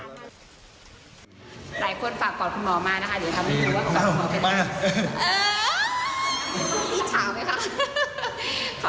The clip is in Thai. หลายคนฝากก่อนคุณหมอมานะคะ